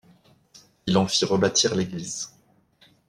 Il en fit rebâtir l’église.